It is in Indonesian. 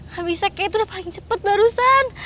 gak bisa kakek itu udah paling cepat barusan